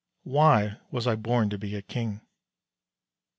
Why was I born to be a King?